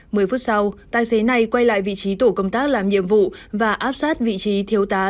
mười phút sau tài xế này quay lại vị trí tổ công tác làm nhiệm vụ và áp sát vị trí thiếu tá